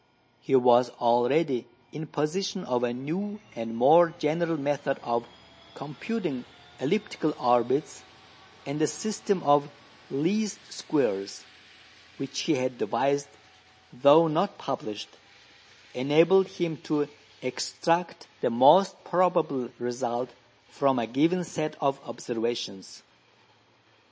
He was already in possession of a new and more general method of computing elliptical orbits; and the system of "least squares," which he had devised though not published, enabled him to extract the most probable result from a given set of observations.